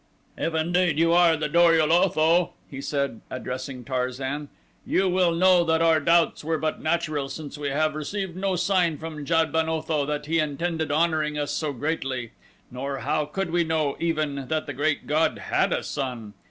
"If indeed you are the Dor ul Otho," he said, addressing Tarzan, "you will know that our doubts were but natural since we have received no sign from Jad ben Otho that he intended honoring us so greatly, nor how could we know, even, that the Great God had a son?